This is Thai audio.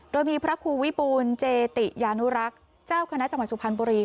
โดยมีพระครูวิบูลเจติยานุรักษ์เจ้าคณะจังหวัดสุพรรณบุรี